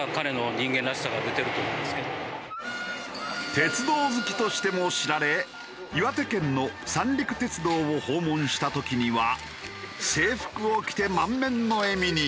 鉄道好きとしても知られ岩手県の三陸鉄道を訪問した時には制服を着て満面の笑みに。